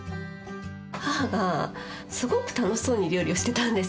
母がすごく楽しそうに料理をしてたんですよ。